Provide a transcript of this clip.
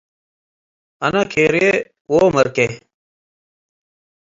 አነ ኬርዬ ወመርኬ